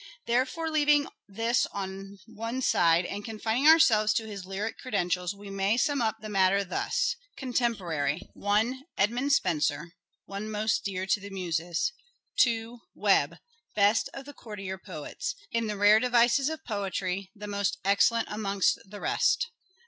Therefore, leaving this on one side and confining ourselves to his lyric credentials, we may sum up the matter thus : Summary. Contemporary : 1. Edmund Spenser. One most dear to the Muses. 2. Webbe. Best of the courtier poets. In the rare devices of poetry the most excellent amongst the rest.